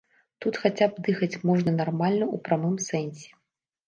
Тут хаця б дыхаць можна нармальна ў прамым сэнсе.